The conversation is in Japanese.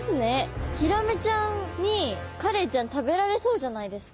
ヒラメちゃんにカレイちゃん食べられそうじゃないですか。